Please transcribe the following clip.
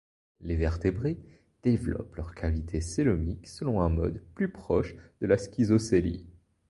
Les Vertébrés développent leurs cavités cœlomiques selon un mode plus proche de la schizocœlie.